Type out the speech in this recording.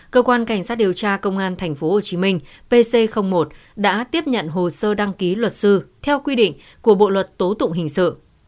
cơ quan cảnh sát điều tra công an tp hcm pc một đã tiếp nhận hồ sơ đăng ký luật sư theo quy định của bộ luật tố tụng hình sự